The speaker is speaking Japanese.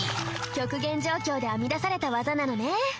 極限状況で編み出された技なのね。